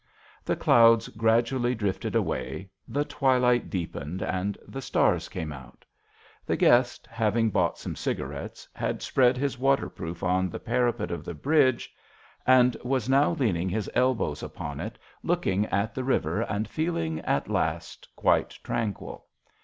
The clouds gradually drifted away, the twilight deepened and the stars came out. The guest, having bought some cigarettes, had spread his waterproof on the parapet of the bridge and was now leaning his elbows upon it, 8 JOHN SHERMAN. ' looking at the river and feeling at last quite tranquil.